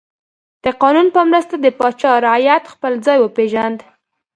د قانون په مرسته د پاچا رعیت خپل ځای وپیژند.